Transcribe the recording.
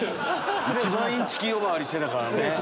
一番インチキ呼ばわりしてたからね。